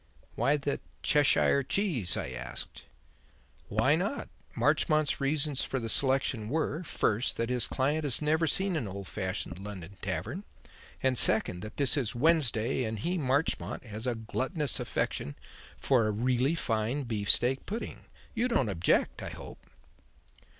"Why the 'Cheshire Cheese'?" I asked. "Why not? Marchmont's reasons for the selection were, first, that his client has never seen an old fashioned London tavern, and second, that this is Wednesday and he, Marchmont, has a gluttonous affection for a really fine beef steak pudding. You don't object, I hope?"